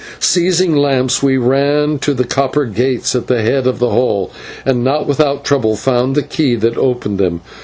Seizing lamps, we ran to the copper gates at the head of the hall, and not without trouble found the key that opened them.